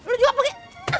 lu juga pergi